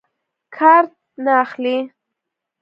کارټ نه اخلي.